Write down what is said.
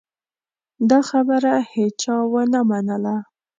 دا خبره هېچا ونه منله.